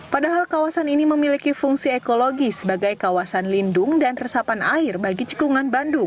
padahal kawasan ini memiliki fungsi ekologi sebagai kawasan lindung dan resapan air bagi cekungan bandung